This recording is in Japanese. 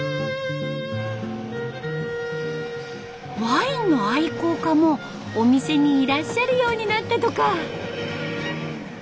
ワインの愛好家もお店にいらっしゃるようになったとか。